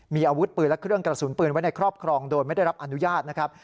มีอาวุธปืนและเครื่องกระสุนปืนไว้ในครอบครองโดยไม่ได้รับอนุญาตนะครับ